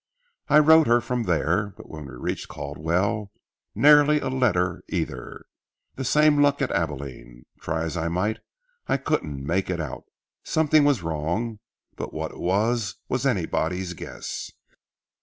I wrote her from there, but when we reached Caldwell, nary a letter either. The same luck at Abilene. Try as I might, I couldn't make it out. Something was wrong, but what it was, was anybody's guess.